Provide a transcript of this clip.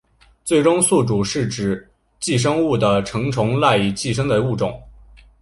最终宿主是指寄生物的成虫赖以寄生的物种。